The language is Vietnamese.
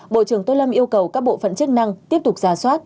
bộ trưởng tô lâm yêu cầu các bộ phận chức năng tiếp tục giả soát